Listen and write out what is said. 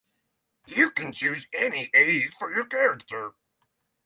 You can choose any age for your character.